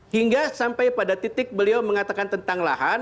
hingga sampai pada titik beliau mengatakan tentang lahan